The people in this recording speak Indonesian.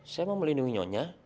saya mau melindungi nyonya